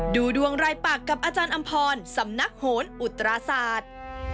ดูดวงรายปากกับอาจารย์อำพรสำนักโหนอุตราศาสตร์